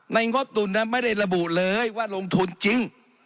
ในงบดุลไม่ได้ระบุเลยว่าลงทุนจริง